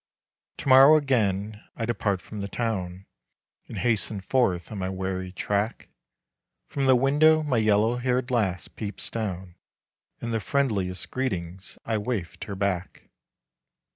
To morrow again I depart from the town, And hasten forth on my weary track, From the window my yellow haired lass peeps down, And the friendliest greetings I waft her back.